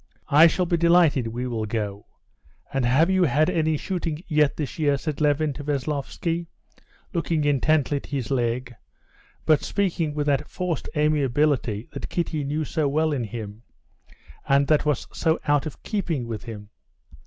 "I shall be delighted, we will go. And have you had any shooting yet this year?" said Levin to Veslovsky, looking intently at his leg, but speaking with that forced amiability that Kitty knew so well in him, and that was so out of keeping with him.